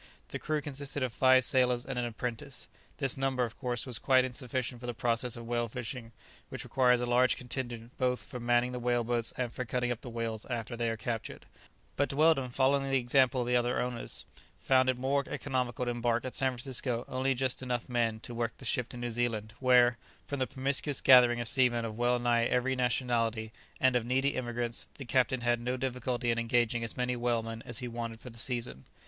The crew consisted of five sailors and an apprentice. This number, of course, was quite insufficient for the process of whale fishing, which requires a large contingent both for manning the whale boats and for cutting up the whales after they are captured; but Weldon, following the example of other owners, found it more economical to embark at San Francisco only just enough men to work the ship to New Zealand, where, from the promiscuous gathering of seamen of well nigh every nationality, and of needy emigrants, the captain had no difficulty in engaging as many whalemen as he wanted for the season.